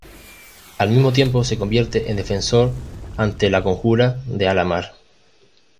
Al mismo tiempo se convierte en defensor ante la conjura de Alamar.